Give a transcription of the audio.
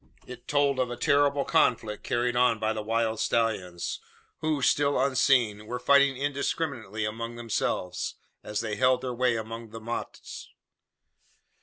It told of a terrible conflict carried on by the wild stallions; who, still unseen, were fighting indiscriminately among themselves, as they held their way among the mottes.